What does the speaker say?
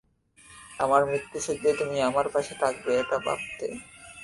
আমার মৃত্যুশয্যায় তুমি আমার পাশে থাকবে এটা ভাবতে।